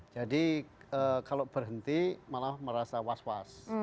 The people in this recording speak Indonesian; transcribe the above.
jadi kalau berhenti malah merasa was was